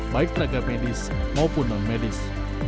baik tenaga medis maupun non medis